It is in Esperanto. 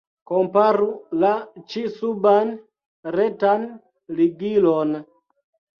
Komparu la ĉi-suban retan ligilon.